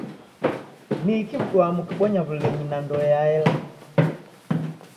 Niki mduaa mukibonya w'ulinyi na ndoe yaela?